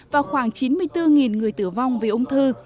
và khoảng chín mươi bốn người tử vong vì ung thư